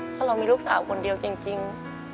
เพราะเรามีลูกสาวคนเดียวจริง